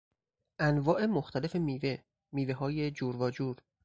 انواع مختلف میوه، میوههای جور واجور